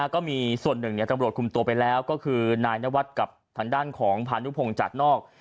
ก็มีส่วนหนึ่งตำรวจคุมตัวไปแล้วก็คือนายนวัดกับทางด้านของพานุพงศ์จัดนอก